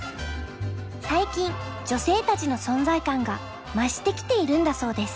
最近女性たちの存在感が増してきているんだそうです。